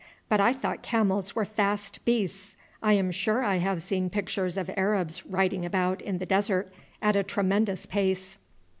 But I thought camels were fast beasts. I am sure I have seen pictures of Arabs riding about in the desert at a tremendous pace."